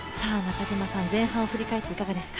前半を振り返っていかがですか？